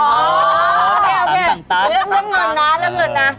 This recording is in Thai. อ๋อโอเคเรื่องเหมือนนะเรื่องเหมือนนะ